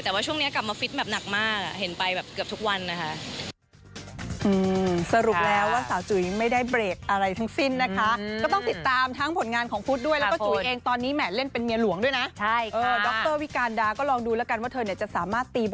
แต่ว่าช่วงนี้กลับมาฟิตแบบหนักมากเห็นไปแบบเกือบทุกวันนะคะ